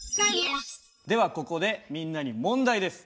ではここでみんなに問題です。